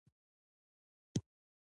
د ګشنیز ګل د خوب لپاره وکاروئ